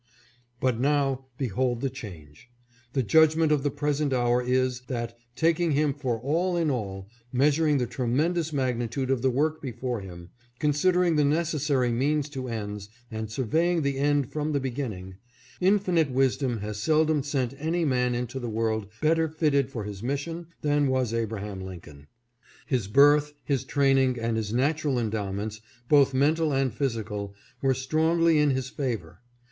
But now behold the change : the judgment of the pres ent hour is, that, taking him for all in all; measuring the tremendous magnitude of the work before him ; consider ing the necessary means to ends, and surveying the end from the beginning, infinite wisdom has seldom sent any man into the world better fitted for his mission than was Abraham Lincoln. His birth, his training and his natu ral endowments, both mental and physical, were strongly in his favor.